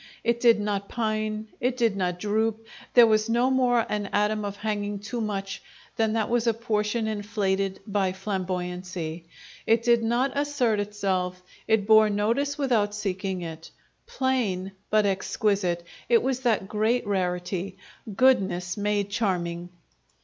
It did not pine, it did not droop; there was no more an atom of hanging too much than there was a portion inflated by flamboyancy; it did not assert itself; it bore notice without seeking it. Plain but exquisite, it was that great rarity goodness made charming.